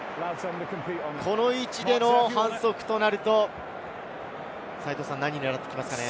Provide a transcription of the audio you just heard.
この位置での反則となると、何を狙ってきますかね？